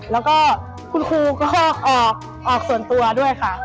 แล้วก็คุณครูก็ออกส่วนตัวด้วยค่ะ